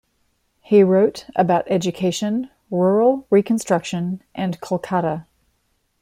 He wrote about education, rural reconstruction and Kolkata.